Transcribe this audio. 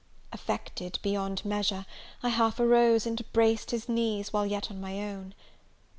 Affected beyond measure, I half arose, and embraced his knees, while yet on my own.